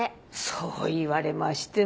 そう言われましても。